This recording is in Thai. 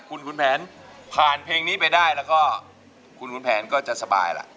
คุณขุนแผนผ่านเพลงนี้ไปได้แล้วก็คุณขุนแผนก็จะสบายล่ะ